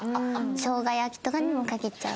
しょうが焼きとかにもかけちゃう。